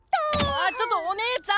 あちょっとお姉ちゃん！